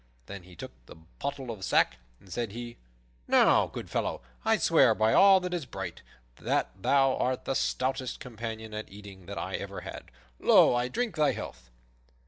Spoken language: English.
Then he took the pottle of sack, and said he, "Now, good fellow, I swear by all that is bright, that thou art the stoutest companion at eating that ever I had. Lo! I drink thy health."